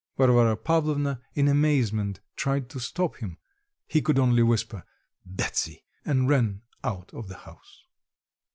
Varvara Pavlovna in amazement tried to stop him; he could only whisper, "Betsy," and ran out of the house.